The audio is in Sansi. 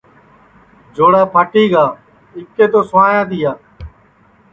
جوڑا پھاٹی گا آٻکے تو سوایا تیا